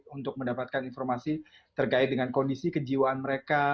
untuk mendapatkan informasi terkait dengan kondisi kejiwaan mereka